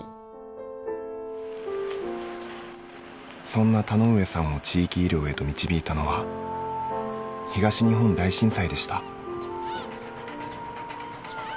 そんな田上さんを地域医療へと導いたのは東日本大震災でした。